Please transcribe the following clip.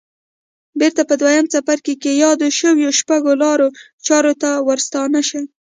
بېرته په دويم څپرکي کې يادو شويو شپږو لارو چارو ته ورستانه شئ.